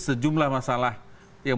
sejumlah masalah yang